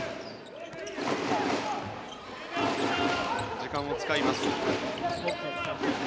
時間を使います。